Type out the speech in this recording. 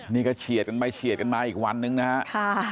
นี่ก็เฉียดกันไปเฉียดกันมาอีกวันนึงนะฮะ